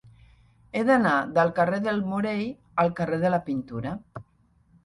He d'anar del carrer del Morell al carrer de la Pintura.